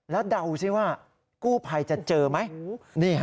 แล้วเดาซิว่ากู้ภัยจะเจอไหม